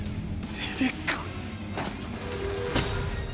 レベッカ。